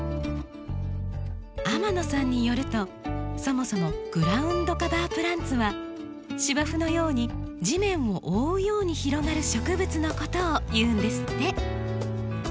天野さんによるとそもそもグラウンドカバープランツは芝生のように地面を覆うように広がる植物のことをいうんですって。